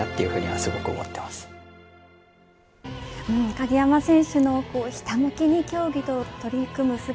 鍵山選手のひたむきに競技に取り組む姿